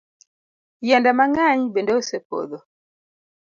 Yiende mang'eny bende osepodho.